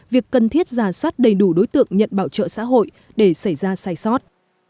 việc cần thiết giả soát đầy đủ đối tượng nhận bảo trợ xã hội để xảy ra sai sót